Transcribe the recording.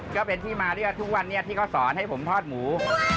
ก็เป็นที่มาเรียกว่าทุกวันนี้ที่เขาสอนให้ผมทอดหมู